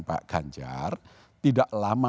pak ganjar tidak lama